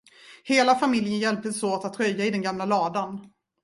Hela familjen hjälptes åt att röja i den gamla ladan.